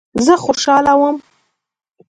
زه خوشاله وم.